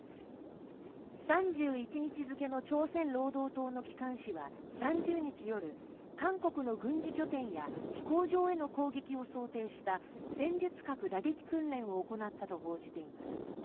３１日付の朝鮮労働党の機関紙は３０日夜、韓国の軍事拠点や飛行場への攻撃を想定した戦術核打撃訓練を行ったと報じています。